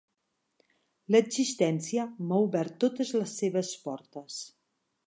L'existència m'ha obert totes les seves portes.